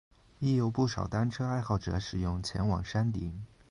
亦有不少单车爱好者使用前往山顶。